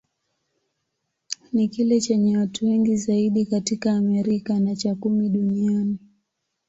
Ni kile chenye watu wengi zaidi katika Amerika, na cha kumi duniani.